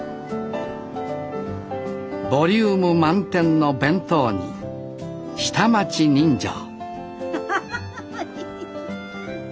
ボリューム満点の弁当に下町人情アハハハハ！